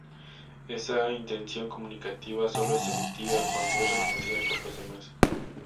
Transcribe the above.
Esa intención comunicativa solo es efectiva cuando es reconocida por los demás.